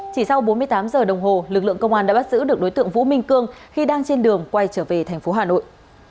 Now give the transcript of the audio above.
chỉ sau bốn mươi tám giờ đồng hồ lực lượng công an đã bắt giữ được đối tượng vũ minh cương khi đang trên đường quay trở về thành phố hà nội